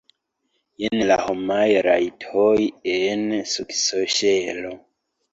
Jen la homaj rajtoj en nuksoŝelo!